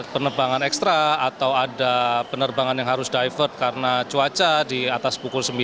penerbangan ekstra atau ada penerbangan yang harus divert karena cuaca di atas pukul sembilan